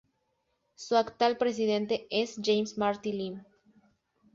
Su actual presidente es James Marty Lim.